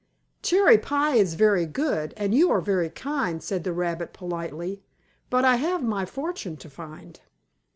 "Cherry pie is very good, and you are very kind," said the rabbit politely, "but I have my fortune to find."